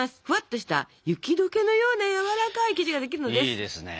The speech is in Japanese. ふわっとした雪どけのようなやわらかい生地ができるのです。